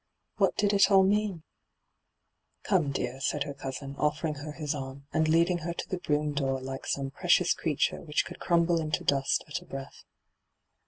What did it all mean ?' Ck>me, dear,' said her cousin, offering her his arm, and leading her to the brougham door like some precious creature which could crumble into dust at a breath.